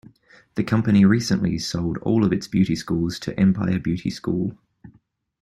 The company recently sold all of its beauty schools to Empire Beauty School.